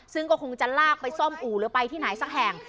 ซึ่งก็คงจะลากไปซ่อมอู่หรือไปที่ไหนสักแห่ง